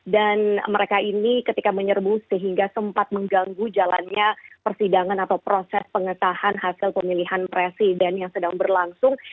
dan mereka ini ketika menyerbu sehingga sempat mengganggu jalannya persidangan atau proses pengesahan hasil pemilihan presiden yang sedang berlangsung